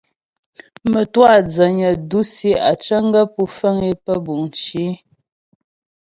Mə́twâ dzənyə dǔsi á cəŋ gaə́ pú fəŋ é pə́ buŋ cì.